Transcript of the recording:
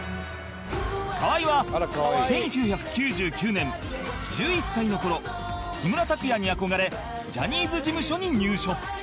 河合は１９９９年１１歳の頃木村拓哉に憧れジャニーズ事務所に入所